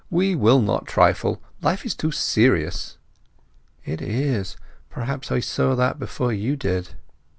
We will not trifle—life is too serious." "It is. Perhaps I saw that before you did."